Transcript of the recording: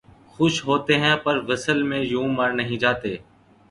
خوش ہوتے ہیں پر وصل میں یوں مر نہیں جاتے